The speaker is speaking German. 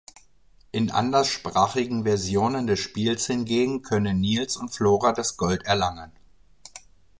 In anderssprachigen Versionen des Spiels hingegen können Niels und Flora das Gold erlangen.